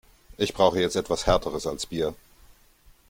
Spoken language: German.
Ich brauche jetzt etwas Härteres als Bier.